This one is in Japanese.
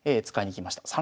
使いにきました。